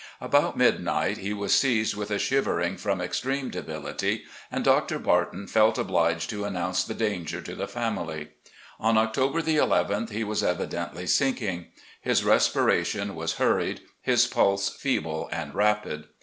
About midnight he was seized with a shivering from extreme debility, and Doctor Barton felt obliged to announce the danger to 438 RECOLLECTIONS OP GENERAL LEE the family. On October nth, he was evidently sinking; his respiration was hurried, his pulse feeble and rapid.